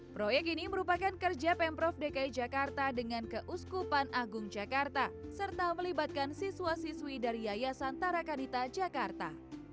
proyek ini merupakan kerja pemprov dki jakarta dengan keuskupan agung jakarta serta melibatkan siswa siswi dari yayasan tarakanita jakarta